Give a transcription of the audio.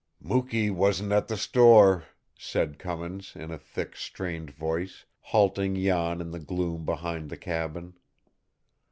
"Mukee wasn't at the store," said Cummins in a thick, strained voice, halting Jan in the gloom behind the cabin.